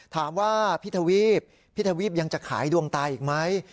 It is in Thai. ถามว่าพี่ทวีปพี่ทวีปยังจะขายดวงตาอีกไหม